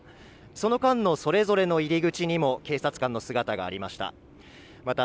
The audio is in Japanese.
その間のそれぞれの入り口にも警察官の姿がありました。